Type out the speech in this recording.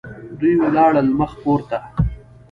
دوی ولاړل مخ پورته.